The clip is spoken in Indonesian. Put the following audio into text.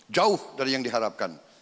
jauh dari yang diharapkan